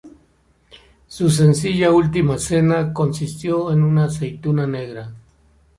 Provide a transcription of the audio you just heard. Su sencilla última cena consistió en una aceituna negra.